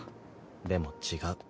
でも違う。